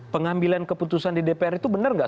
pengambilan keputusan di dpr itu benar nggak